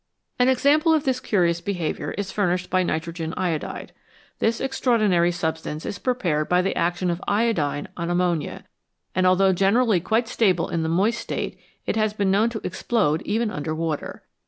An example of this curious behaviour is furnished by nitrogen iodide. This extraordinary substance is prepared by the action of iodine on ammonia, and although generally quite stable in the moist state, it has been known to explode even under water.